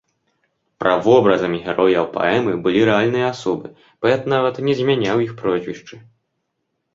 Правобразамі герояў паэмы былі рэальныя асобы, паэт нават не змяняў іх прозвішчы.